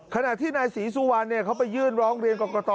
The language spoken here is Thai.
ขณะที่นายศรีสุวรรณเขาไปยื่นร้องเรียนกรกต